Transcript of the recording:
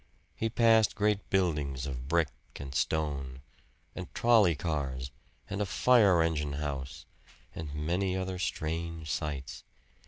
He passed great buildings of brick and stone, and trolley cars, and a fire engine house, and many other strange sights.